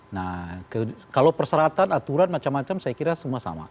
nah kalau perseratan aturan macam macam saya kira semua sama